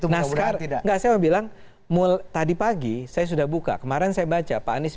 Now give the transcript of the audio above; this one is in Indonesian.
nah sekarang enggak saya mau bilang tadi pagi saya sudah buka kemarin saya baca pak anies